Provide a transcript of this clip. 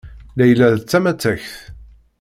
Layla d tamattakt.